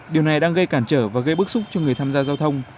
điều này đang gây cản trở và gây bức xúc cho người tham gia giao thông